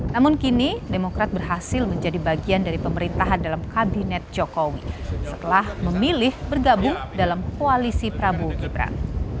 namun kini demokrat berhasil menjadi bagian dari pemerintahan dalam kabinet jokowi setelah memilih bergabung dalam koalisi prabowo gibran